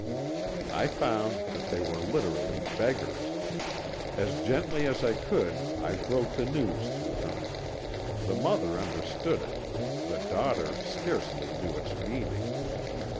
I found that they were literally beggars. As gently as I could I broke the news to them. The mother understood it; the daughter scarcely knew its meaning.